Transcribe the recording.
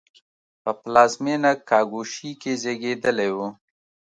په پلازمېنه کاګوشی کې زېږېدلی و.